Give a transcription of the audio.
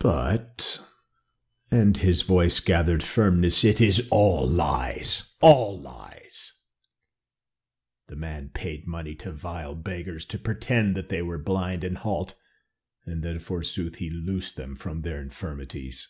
"But " and his voice gathered firmness, "it is all lies all lies. The man paid money to vile beggars to pretend that they were blind and halt, then, forsooth, he loosed them from their infirmities."